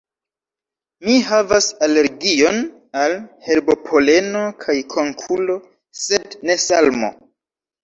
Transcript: Mi havas alergion al herbopoleno kaj konkulo, sed ne salmo.